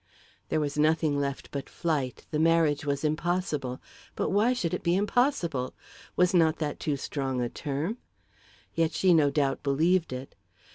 There was nothing left but flight; the marriage was impossible. But why should it be impossible? Was not that too strong a term? Yet she no doubt believed it.